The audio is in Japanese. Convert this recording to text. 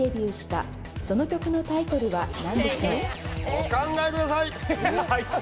お考えくださいえっ？